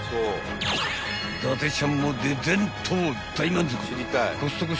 ［伊達ちゃんもデデンと大満足］